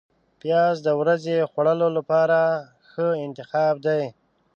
پیاز د ورځې خوړلو لپاره ښه انتخاب دی